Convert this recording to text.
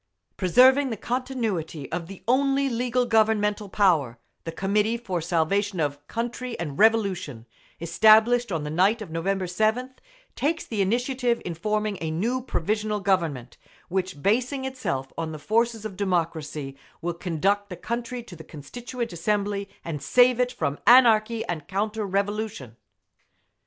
Preserving the continuity of the only legal Governmental power, the Committee for Salvation of Country and Revolution, established on the night of November 7th, takes the initiative in forming a new Provisional Government; which, basing itself on the forces of democracy, will conduct the country to the Constituent Assembly and save it from anarchy and counter revolution.